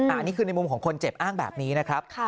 อันนี้คือในมุมของคนเจ็บอ้างแบบนี้นะครับ